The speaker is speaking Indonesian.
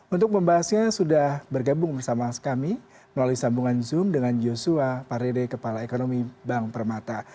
untuk membahasnya sudah bergabung bersama kami melalui sambungan zoom dengan joshua parede kepala ekonomi bank permata